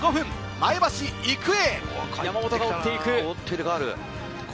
前橋育英。